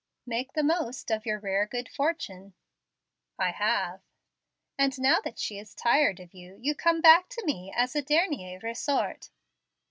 "Make the most of your rare 'good fortune.'" "I have." "And now that she is tired of you, you come back to me as a dernier ressort."